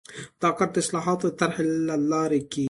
دا کار د اصلاحاتو د طرحې له لارې کیږي.